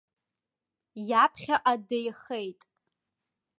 Иаԥхьаҟа деихеит.